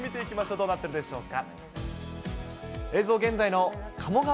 どうなってるでしょうか。